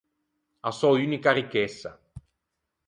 A sò unica ricchessa.